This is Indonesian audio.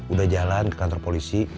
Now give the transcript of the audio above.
udah jalan ke kantor polisi